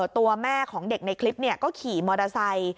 ตัวแม่ของเด็กในคลิปก็ขี่มอเตอร์ไซค์